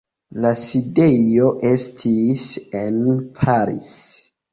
La sidejo estis en Paris.